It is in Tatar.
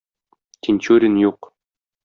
Тинчурин юк.